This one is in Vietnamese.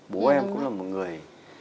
bố em cũng là một người